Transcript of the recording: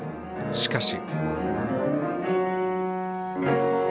しかし。